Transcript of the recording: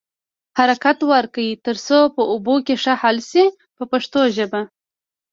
حرکت ورکړئ تر څو په اوبو کې ښه حل شي په پښتو ژبه.